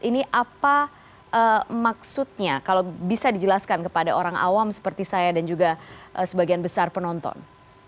ini apa maksudnya kalau bisa dijelaskan kepada orang awam seperti saya dan juga sebagian besar penonton